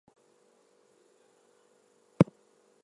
The meat of particularly meaty hocks may be removed and served as is.